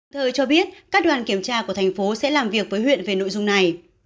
thời cho biết các đoàn kiểm tra của thành phố sẽ làm việc với huyện về nội dung này